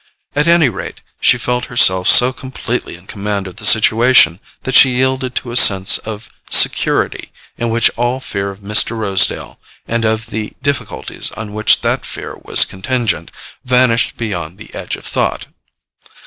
At any rate, she felt herself so completely in command of the situation that she yielded to a sense of security in which all fear of Mr. Rosedale, and of the difficulties on which that fear was contingent, vanished beyond the edge of thought.